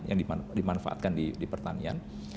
yang dimanfaatkan di pertanian